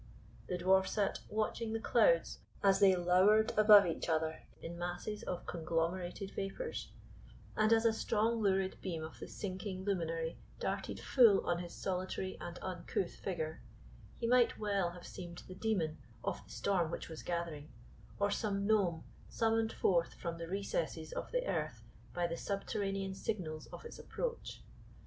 The Dwarf sate watching the clouds as they lowered above each other in masses of conglomerated vapours, and, as a strong lurid beam of the sinking luminary darted full on his solitary and uncouth figure, he might well have seemed the demon of the storm which was gathering, or some gnome summoned forth from the recesses of the earth by the subterranean signals of its approach.